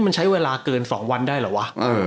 มันใช้เวลาเกิน๒วันได้เหรอวะ